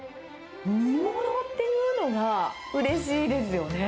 煮物っていうのがうれしいですよね。